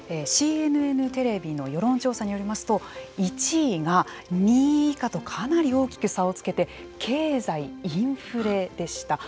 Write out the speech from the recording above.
ＣＮＮテレビの世論調査によりますと１位が２位以下とかなり大きく差をつけて経済・インフレでした。